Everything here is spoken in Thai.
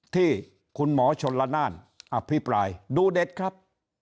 ที่คุณหมอชนละนานอภิปรายดูเด็ดครับ